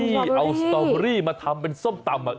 ที่เอาสตอเบอรี่มาทำเป็นส้มตำ